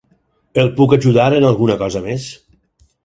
El puc ajudar en alguna cosa més?